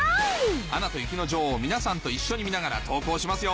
『アナと雪の女王』を皆さんと一緒に見ながら投稿しますよ！